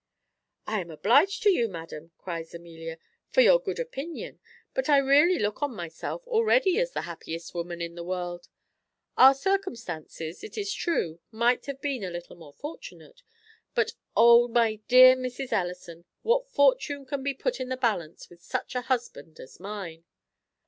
"I am obliged to you, madam," cries Amelia, "for your good opinion; but I really look on myself already as the happiest woman in the world. Our circumstances, it is true, might have been a little more fortunate; but O, my dear Mrs. Ellison! what fortune can be put in the balance with such a husband as mine?"